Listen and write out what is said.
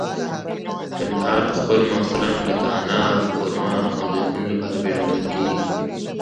کندهار د خپلو محصولاتو لکه انار، خرما او زیتون لپاره پیژندل کیږي.